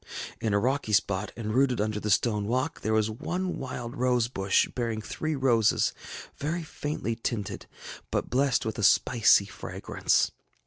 In a rocky spot, and rooted under the stone walk, there was one wild rose bush bearing three roses very faintly tinted, but blessed with a spicy fragrance.